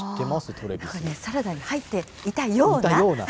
トレビサラダに入っていたような？